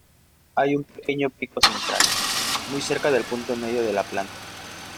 Hay un pequeño pico central, muy cerca del punto medio de la planta.